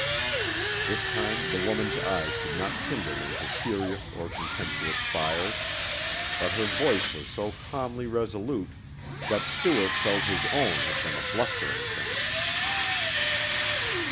This time the woman's eyes did not kindle into furious or contemptuous fires, but her voice was so calmly resolute that Stuart felt his own had been a blustering thing.